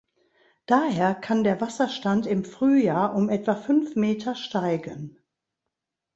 Daher kann der Wasserstand im Frühjahr um etwa fünf Meter steigen.